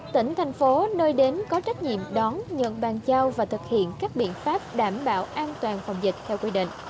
tỉnh thành phố nơi đến có trách nhiệm đón nhận bàn giao và thực hiện các biện pháp đảm bảo an toàn phòng dịch theo quy định